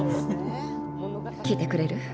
聞いてくれる？